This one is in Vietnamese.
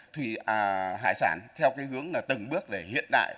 thủy hải sản theo cái hướng là từng bước để hiện đại